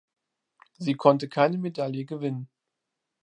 Sie konnte keine Medaille gewinnen.